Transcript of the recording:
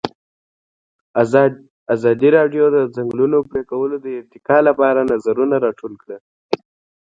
ازادي راډیو د د ځنګلونو پرېکول د ارتقا لپاره نظرونه راټول کړي.